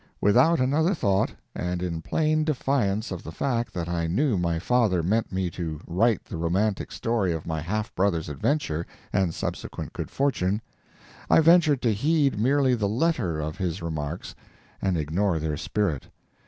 Without another thought, and in plain defiance of the fact that I knew my father meant me to write the romantic story of my half brother's adventure and subsequent good fortune, I ventured to heed merely the letter of his remarks and ignore their spirit.